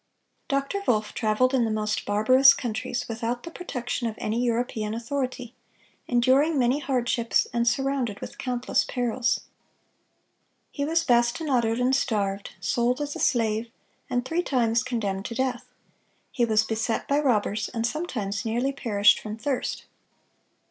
(600) Dr. Wolff traveled in the most barbarous countries, without the protection of any European authority, enduring many hardships, and surrounded with countless perils. He was bastinadoed and starved, sold as a slave, and three times condemned to death. He was beset by robbers, and sometimes nearly perished from thirst.